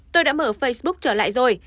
tôi đã mở facebook trở lại rồi